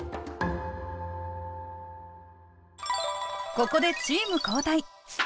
ここでチーム交代。